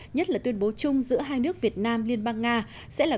nhất là tuyên bố chung giữa hai nước việt nam liên bang nga